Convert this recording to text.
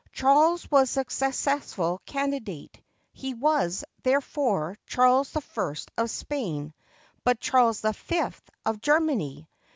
Charles was the successful candidate. He was, therefore, Charles I of Spain, but Charles V of Germany.